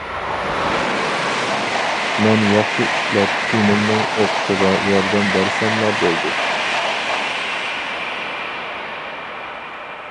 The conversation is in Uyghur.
مەن ياخشى ئىشلەپ ئىنىمنىڭ ئوقۇشىغا ياردەم بەرسەملا بولدى.